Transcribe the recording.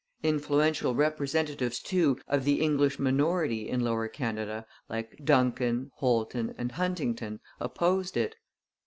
Influential representatives, too, of the English minority in Lower Canada, like Dunkin, Holton, and Huntington, opposed it.